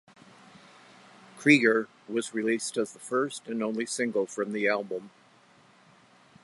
"Krieger" was released as the first and only single from the album.